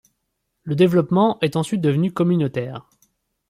Le développement est ensuite devenu communautaire.